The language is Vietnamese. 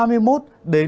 có nơi còn cao hơn